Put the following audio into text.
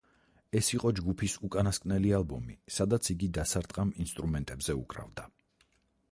ეს იყო ჯგუფის უკანასკნელი ალბომი, სადაც იგი დასარტყამ ინსტრუმენტებზე უკრავდა.